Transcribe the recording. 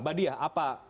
mbak diah apa